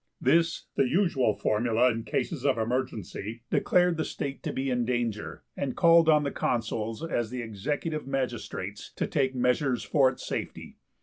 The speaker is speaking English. _' This, the usual formula in cases of emergency, declared the State to be in danger, and called on the Consuls as the executive magistrates to take measures for its safety.